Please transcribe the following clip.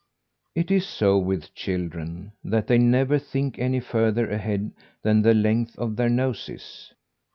It is so with children that they never think any farther ahead than the length of their noses.